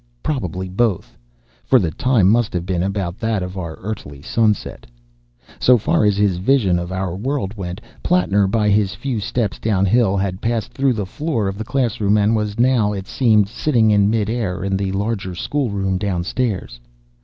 Probably both, for the time must have been about that of our earthly sunset. So far as his vision of our world went, Plattner, by his few steps downhill, had passed through the floor of the class room, and was now, it seemed, sitting in mid air in the larger schoolroom downstairs.